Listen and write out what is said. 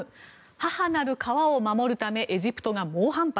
母なる川を守るためエジプトが猛反発。